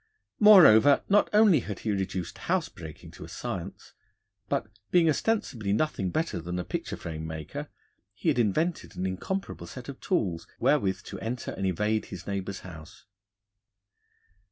Moreover, not only had he reduced house breaking to a science, but, being ostensibly nothing better than a picture frame maker, he had invented an incomparable set of tools wherewith to enter and evade his neighbour's house.